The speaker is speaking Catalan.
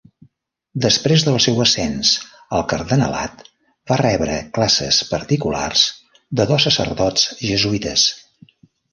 Després del seu ascens al cardenalat, va rebre classes particulars de dos sacerdots jesuïtes.